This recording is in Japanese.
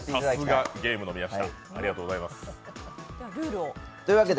さすがゲームの宮下。